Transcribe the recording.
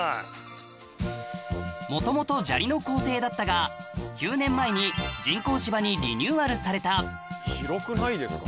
もともと砂利の校庭だったが９年前に人工芝にリニューアルされた広くないですか？